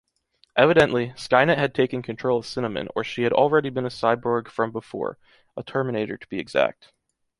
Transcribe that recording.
Evidently, Skynet had taken control of Cinnamon or she had already been a cyborg from before, a terminator to be exact.